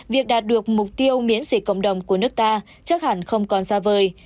việc đạt được mục tiêu miễn dịch cộng đồng của nước ta chắc hẳn không còn xa vời